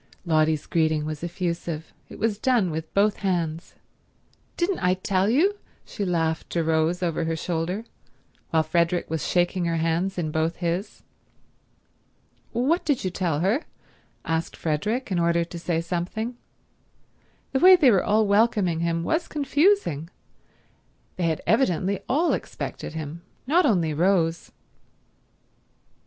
Lotty's greeting was effusive. It was done with both hands. "Didn't I tell you?" she laughed to Rose over her shoulder while Frederick was shaking her hands in both his. "What did you tell her?" asked Frederick, in order to say something. The way they were all welcoming him was confusing. They had evidently all expected him, not only Rose.